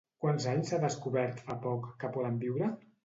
Quants anys s'ha descobert fa poc que poden viure?